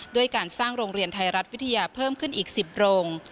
ด้วยการสร้างโรงเรียนไทยรัฐวิทยาเพิ่มขึ้นอีก๑๐โรง